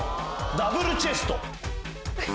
ダブルチェスト！